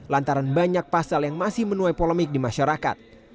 lantaran banyak pasal yang masih menuai polemik di masyarakat